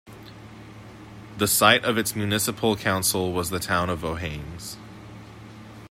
The site of its municipal council was the town of Vojens.